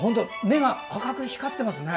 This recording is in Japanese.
目が赤く光ってますね。